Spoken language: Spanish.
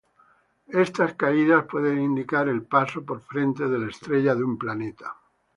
Estas caídas pueden indicar el paso por frente de la estrella de un planeta.